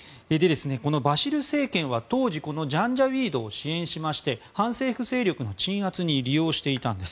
バシル政権は当時、ジャンジャウィードを支援しまして、反政府勢力の鎮圧に利用していたんです。